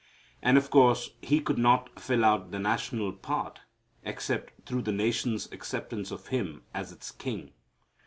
And, of course, He could not fill out the national part except through the nation's acceptance of Him as its king.